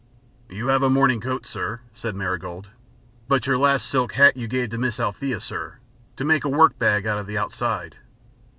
"You have a morning coat, sir," said Marigold. "But your last silk hat you gave to Miss Althea, sir, to make a work bag out of the outside."